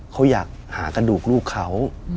เขาอยากหากระดูกลูกเขา